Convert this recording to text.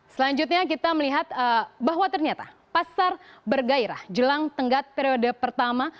selanjutnya kita melihat bahwa ternyata pasar bergairah jelang tenggat periode pertama